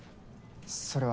それは。